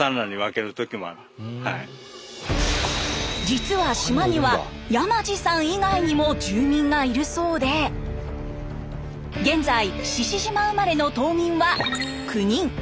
実は島には山地さん以外にも住民がいるそうで現在志々島生まれの島民は９人。